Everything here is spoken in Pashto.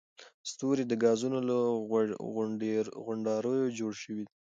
ستوري د ګازونو له غونډاریو جوړ شوي دي.